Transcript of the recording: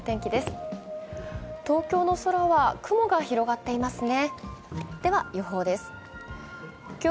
東京の空は雲が広がっていますね。